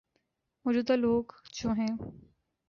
موجود ہ لوگ جو ہیں۔